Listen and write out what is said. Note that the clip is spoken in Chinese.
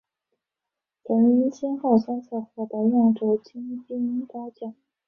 曾先后三次获得亚洲金冰镐奖。